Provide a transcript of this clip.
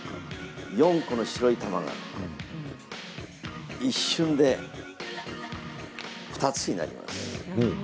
４個の白い玉が一瞬で、２つになります。